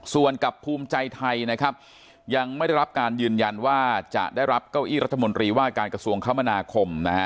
ส่วนกับภูมิใจไทยนะครับยังไม่ได้รับการยืนยันว่าจะได้รับเก้าอี้รัฐมนตรีว่าการกระทรวงคมนาคมนะฮะ